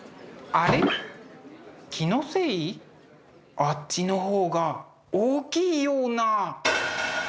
あっちの方が大きいような。